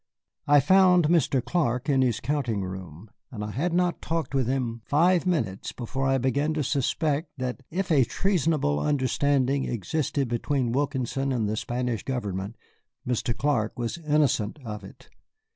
I found Mr. Clark in his counting room, and I had not talked with him five minutes before I began to suspect that, if a treasonable understanding existed between Wilkinson and the Spanish government, Mr. Clark was innocent of it.